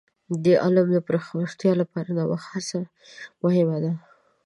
د علم د پراختیا لپاره د نوښت هڅه مهمه ده.